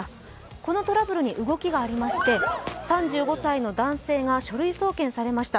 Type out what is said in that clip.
このトラブルに動きがありまして、３５歳の男性が書類送検されました。